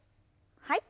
はい。